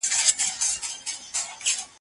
پسرلی له ګلو ډکه لمن تېر سو